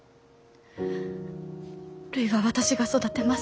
るいは私が育てます。